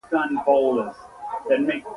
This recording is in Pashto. کروندګر باید د اوبو سم مدیریت زده کړي.